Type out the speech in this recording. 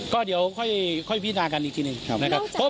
ก็เดี๋ยวค่อยพินากันอีกทีหนึ่งนะครับ